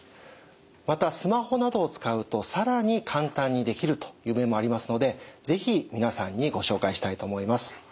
またスマホなどを使うと更に簡単にできるという面もありますので是非皆さんにご紹介したいと思います。